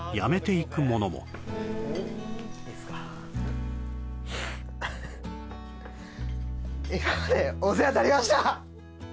今までお世話になりました！